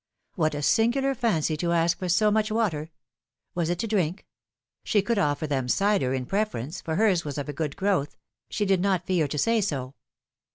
What a singular fancy to ask for so much water ! Was it to drink ? She could offer them cider in preference, for hers was of a good growth — she did not fear to say so.